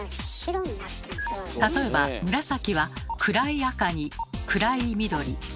例えば紫は暗い赤に暗い緑暗い青。